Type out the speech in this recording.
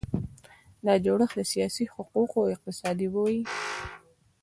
دا جوړښت سیاسي، حقوقي او اقتصادي وي.